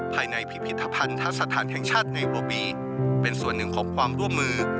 ภายในพิพิธภัณฑสถานแห่งชาติในโรบีเป็นส่วนหนึ่งของความร่วมมือ